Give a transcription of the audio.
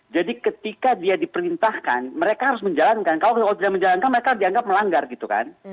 ketika dia diperintahkan mereka harus menjalankan kalau tidak menjalankan mereka dianggap melanggar gitu kan